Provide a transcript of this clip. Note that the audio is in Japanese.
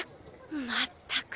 まったく。